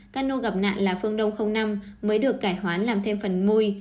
cano gặp nạn là phương đông năm mới được cải hoán làm thêm phần môi